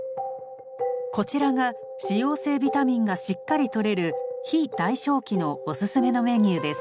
こちらが脂溶性ビタミンがしっかりとれる非代償期のおすすめのメニューです。